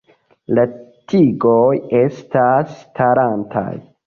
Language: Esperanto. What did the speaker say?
La tigoj estas starantaj.